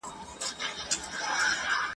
د بلا مخ ته هغه وو پرې ایستلی !.